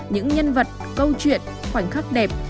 những nhân vật câu chuyện khoảnh khắc đẹp